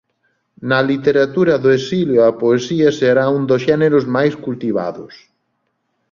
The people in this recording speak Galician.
Na literatura do exilio a poesía será un dos xéneros máis cultivados.